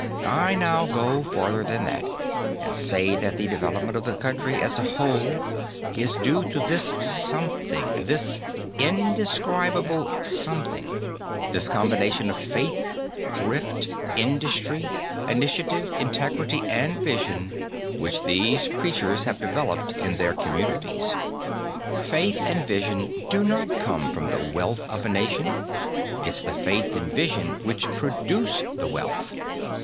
I now go farther than that and say that the development of the country as a whole is due to this something, this indescribable something, this combination of faith, thrift, industry, initiative, integrity and vision, which these preachers have developed in their communities. Faith and vision do not come from the wealth of a nation. It's the faith and vision which produce the wealth.